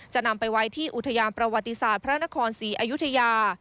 จะนำไปไว้ที่อุทยานประวัติศาสตร์พระนครศรีอยุธยา